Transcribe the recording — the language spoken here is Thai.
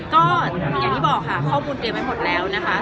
ก็อย่างที่บอกค่ะข้อมูลเตรียมไว้หมดแล้วนะคะ